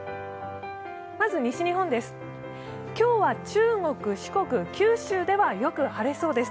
まず西日本です。